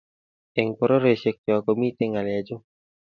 Eng pororiosiekcho komitei ngalechu